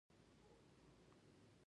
دا خیال د انسان د ذهن پایله ده.